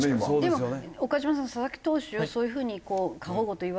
でも岡島さん佐々木投手はそういう風に過保護といわれる。